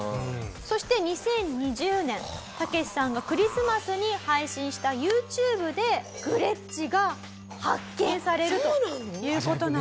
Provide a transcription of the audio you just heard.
そして２０２０年タケシさんがクリスマスに配信したＹｏｕＴｕｂｅでグレッチが発見されるという事なんです。